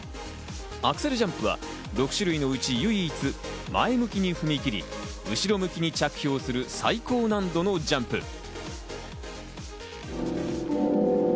アクセルジャンプは６種類のうち唯一、前向きに踏み切り後ろ向きに着氷する最高難度のジャンプ。